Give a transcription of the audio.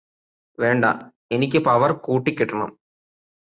വേണ്ട എനിക്ക് പവര് കൂട്ടികിട്ടണം